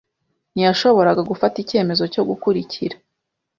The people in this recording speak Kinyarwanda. Ntiyashoboraga gufata icyemezo cyo gukurikira.